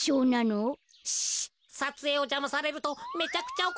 さつえいをじゃまされるとめちゃくちゃおこるらしいぞ。